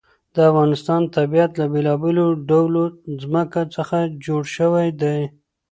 د افغانستان طبیعت له بېلابېلو ډولو ځمکه څخه جوړ شوی دی.